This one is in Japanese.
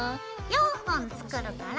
４本作るから。